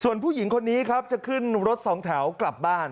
ผู้หญิงคนนี้ครับจะขึ้นรถสองแถวกลับบ้าน